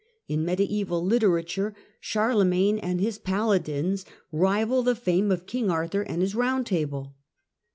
In mediaeval literature Charlemagne and his paladins rival the fame of King Arthur and his Bound Table.